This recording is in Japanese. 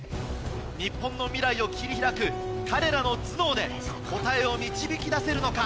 日本の未来を切り開く彼らの頭脳で答えを導き出せるのか？